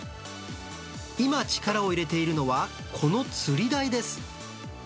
今、力を入れているのは、このつり台です。